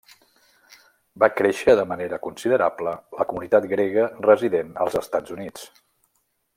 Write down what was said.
Va créixer de manera considerable la comunitat grega resident als Estats Units.